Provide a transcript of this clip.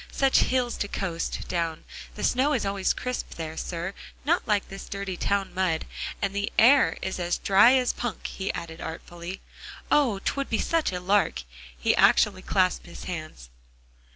"Such hills to coast down; the snow is always crisp there, sir, not like this dirty town mud. And the air is as dry as punk," he added artfully. "Oh! 'twould be such a lark;" he actually clasped his hands.